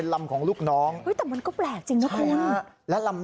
แล้วก็เรียกเพื่อนมาอีก๓ลำ